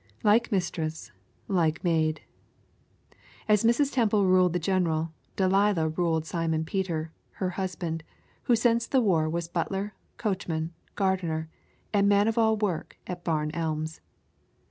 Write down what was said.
Like mistress, like maid. As Mrs. Temple ruled the general, Delilah ruled Simon Peter, her husband, who since the war was butler, coachman, gardener, and man of all work at Barn Elms.